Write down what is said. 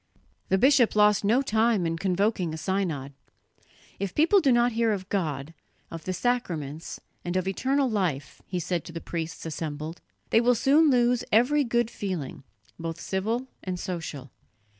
The bishop lost no time in convoking a synod. "If people do not hear of God, of the sacraments, and of eternal life," he said to the priests assembled, "they will soon lose every good feeling, both civil and social.